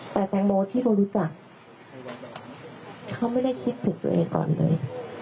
แต่แตงโมที่เรารู้จักเขาไม่ได้คิดถึงตัวเองก่อนเลย